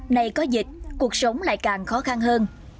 nay có dịch cuộc sống lại càng khó khăn hơn